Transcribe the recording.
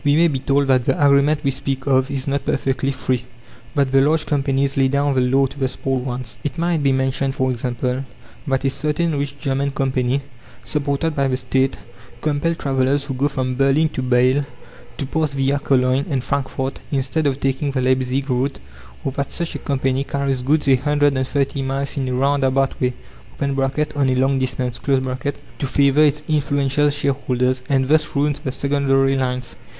We may be told that the agreement we speak of is not perfectly free, that the large companies lay down the law to the small ones. It might be mentioned, for example, that a certain rich German company, supported by the State, compel travellers who go from Berlin to Bâle to pass via Cologne and Frankfort, instead of taking the Leipzig route; or that such a company carries goods a hundred and thirty miles in a roundabout way (on a long distance) to favour its influential shareholders, and thus ruins the secondary lines.